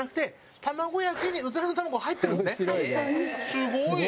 すごい！